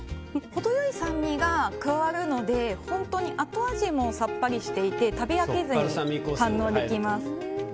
程良い酸味が加わるので本当に後味もさっぱりしていて食べ飽きずに堪能できます。